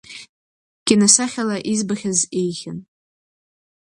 Киносахьала избахьаз еиӷьын.